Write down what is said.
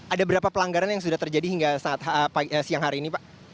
ada berapa pelanggaran yang sudah terjadi hingga saat siang hari ini pak